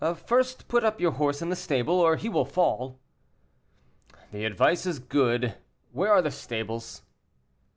"First put your horse in the stable, or he will fall." "The advice is good; where are the stables?"